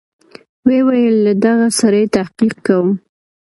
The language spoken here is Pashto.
ويې ويل له دغه سړي تحقيق کوم.